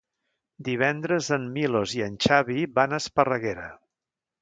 Divendres en Milos i en Xavi van a Esparreguera.